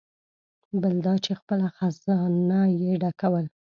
بل دا چې خپله خزانه یې ډکول.